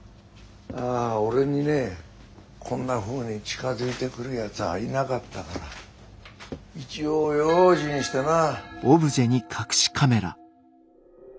ああ俺にねこんなふうに近づいてくるやつはいなかったから一応用心してな。